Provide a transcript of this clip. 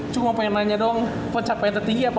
cuma pengen nanya dong pencapaian tertinggi apa